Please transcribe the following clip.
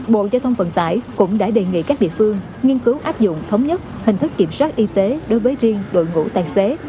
bộ giao thông vận tải cũng đã đề nghị các địa phương nghiên cứu áp dụng thống nhất hình thức kiểm soát y tế đối với riêng đội ngũ tài xế